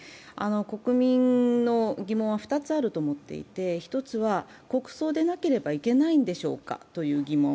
国民の疑問は２つあると思っていて１つは、国葬でなければいけないんでしょうかという疑問。